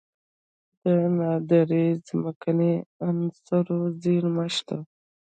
د نادره ځمکنۍ عناصرو زیرمې شته